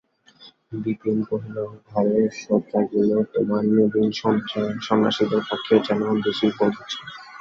বিপিন কহিল, ঘরের সজ্জাগুলি তোমার নবীন সন্ন্যাসীদের পক্ষেও যেন বেশি বোধ হচ্ছে।